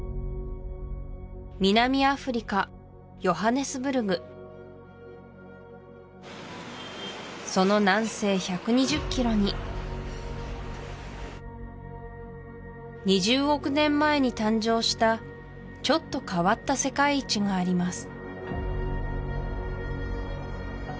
ヨハネスブルグその南西１２０ｋｍに２０億年前に誕生したちょっと変わった世界一があります